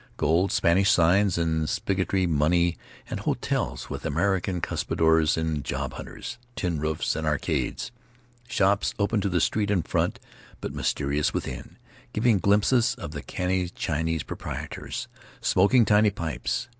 Gold Spanish signs and Spiggoty money and hotels with American cuspidors and job hunters; tin roofs and arcades; shops open to the street in front, but mysterious within, giving glimpses of the canny Chinese proprietors smoking tiny pipes.